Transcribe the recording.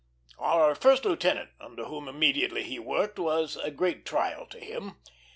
Our first lieutenant, under whom immediately he worked, was a great trial to him.